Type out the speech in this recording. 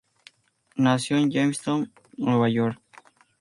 Nació en Jamestown, Nueva York.